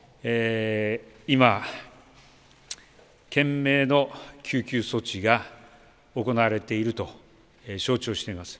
今、懸命の救急措置が行われていると承知をしています。